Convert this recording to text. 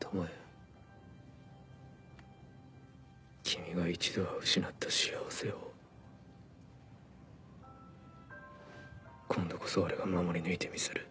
君が一度は失った幸せを今度こそ俺が守り抜いてみせる。